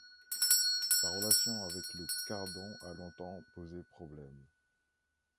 Sa relation avec le cardon a longtemps posé problème.